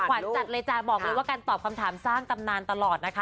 ขวัญจัดเลยจ้ะบอกเลยว่าการตอบคำถามสร้างตำนานตลอดนะคะ